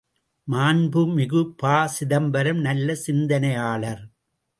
மாண்புமிகு ப.சிதம்பரம் நல்ல சிந்தனையாளர்.